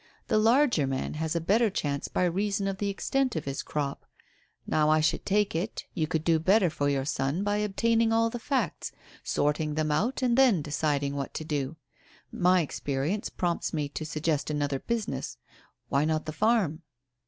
The larger man has a better chance by reason of the extent of his crop. Now I should take it, you could do better for your son by obtaining all the facts, sorting them out and then deciding what to do. My experience prompts me to suggest another business. Why not the farm?"